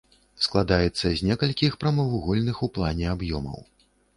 Складаецца з некалькіх прамавугольных ў плане аб'ёмаў.